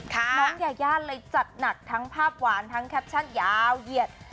น้องยายาเลยจัดหนักทั้งภาพหวานทั้งแคปชั่นยาวเหยียด